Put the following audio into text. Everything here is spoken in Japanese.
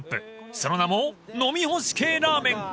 ［その名も飲みほし系ラーメン］